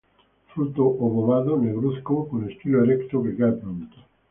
Fruto obovado, negruzco, con estilo erecto que cae pronto.